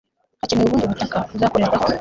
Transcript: hakenewe ubundi butaka buzakorerwaho